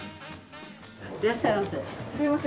いらっしゃいませ。